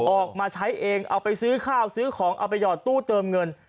ออกมาใช้เองเอาไปซื้อข้าวซื้อของเอาไปหยอดตู้เติมเงิน